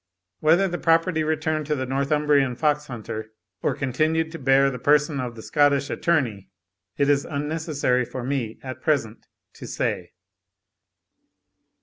Whether the property returned to the Northumbrian fox hunter, or continued to bear the person of the Scottish attorney, it is unnecessary for me at present to say.